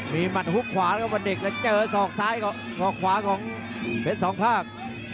มีมัดฮุกขวาของวันเด็กแล้วเจอห่างซ้ายที่ของเฟสสองภาค